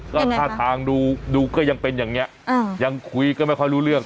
ก็ท่าทางดูก็ยังเป็นอย่างนี้ยังคุยก็ไม่ค่อยรู้เรื่อง